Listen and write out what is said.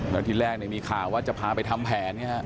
แล้วที่แรกเนี่ยว่ามีข่าวะจะพาไปทำแผนไงค่ะ